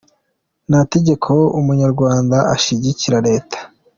Nta tegeko ko umunyarwanda ashigikira Leta!